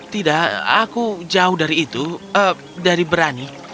tidak aku jauh dari itu dari berani